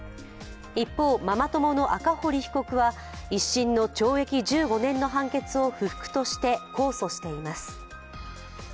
一方、ママ友の赤堀被告は一審の１５年の判決を不服として控訴しています。